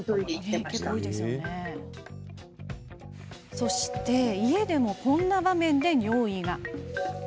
そして、家でもこんな場面で尿意が。